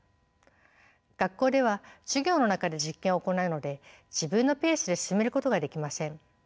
学校では授業の中で実験を行うので自分のペースで進めることができません。